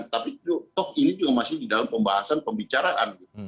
tapi toh ini juga masih di dalam pembahasan pembicaraan